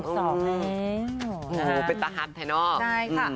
โอ้โหเป็นตะหัสไทยนอก